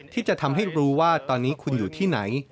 ที่จะทำให้รู้ว่าตอนนี้คุณอยู่ที่ไหน